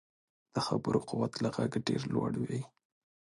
د خبرو قوت له غږ ډېر لوړ وي